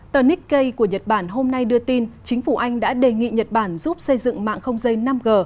tờ nikkei của nhật bản hôm nay đưa tin chính phủ anh đã đề nghị nhật bản giúp xây dựng mạng không dây năm g